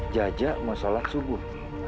jajah mau sholat subuh